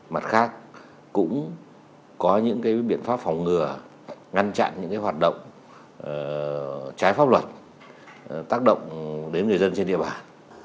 mặt khác cũng có những biện pháp phòng ngừa ngăn chặn những hoạt động trái pháp luật tác động đến người dân trên địa bàn